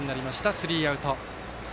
スリーアウト。